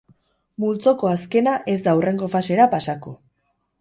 Multzoko azkena ez da hurrengo fasera pasako.